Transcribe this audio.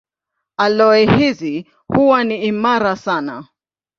Aloi hizi huwa ni imara sana.